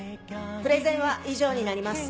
プレゼンは以上になります。